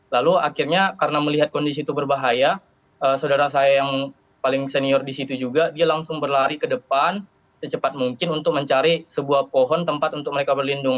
lalu akhirnya karena melihat kondisi itu berbahaya saudara saya yang paling senior di situ juga dia langsung berlari ke depan secepat mungkin untuk mencari sebuah pohon tempat untuk mereka berlindung